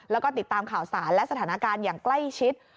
แล้วก็ติดตามข่าวสารและสถานการณ์อย่างใกล้ชิด